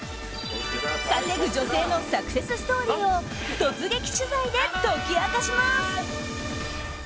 稼ぐ女性のサクセスストーリーを突撃取材で解き明かします。